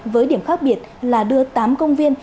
với điểm khác biệt là đưa tám công viên